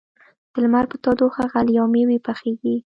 د لمر په تودوخه غلې او مېوې پخېږي.